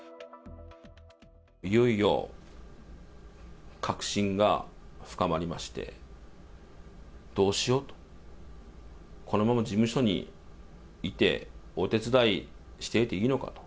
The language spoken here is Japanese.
いよいよ確信が深まりまして、どうしようと、このまま事務所にいて、お手伝いしていていいのかと。